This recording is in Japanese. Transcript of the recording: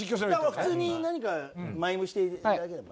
普通に何かマイムしていただければ。